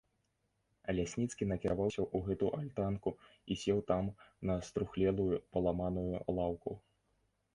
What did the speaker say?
Лясніцкі накіраваўся ў гэту альтанку і сеў там на струхлелую паламаную лаўку.